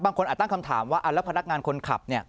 อาจตั้งคำถามว่าแล้วพนักงานคนขับ